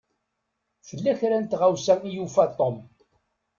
Tella kra n tɣawsa i yufa Tom.